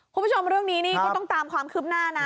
คุณผู้ชมเรื่องนี้นี่ก็ต้องตามความคืบหน้านะ